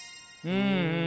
うん。